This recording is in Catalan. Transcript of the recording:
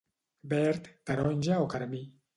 Verd, taronja o carmí.